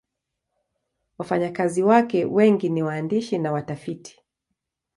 Wafanyakazi wake wengi ni waandishi na watafiti.